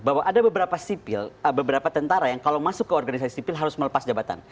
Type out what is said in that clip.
bahwa ada beberapa sipil beberapa tentara yang kalau masuk ke organisasi sipil harus melepas jabatan